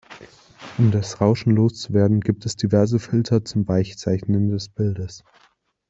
Um das Rauschen loszuwerden, gibt es diverse Filter zum Weichzeichnen des Bildes.